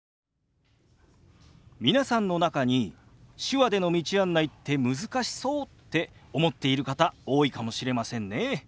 皆さんの中に手話での道案内って難しそうって思っている方多いかもしれませんね。